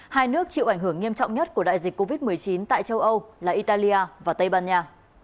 hai nước chịu ảnh hưởng nghiêm trọng nhất của đại dịch covid một mươi chín tại châu âu là italia và tây ban nha